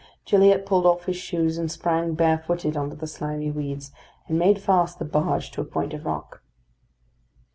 Gilliatt pulled off his shoes and sprang bare footed on to the slimy weeds, and made fast the barge to a point of rock.